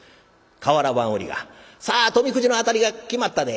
瓦版売りが「さあ富くじの当たりが決まったで。